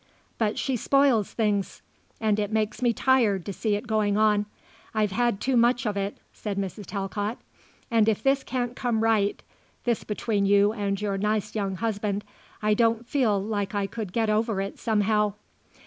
But she spoils things. And it makes me tired to see it going on. I've had too much of it," said Mrs. Talcott, "and if this can't come right this between you and your nice young husband I don't feel like I could get over it somehow."